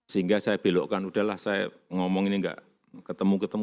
sehingga saya belokkan udahlah saya ngomong ini enggak ketemu ketemu